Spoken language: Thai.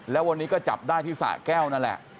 แล้ววันนี้ก็จับได้ที่สะแก้วนั่นแหละ